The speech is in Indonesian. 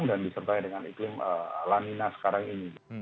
dan disertai dengan iklim lanina sekarang ini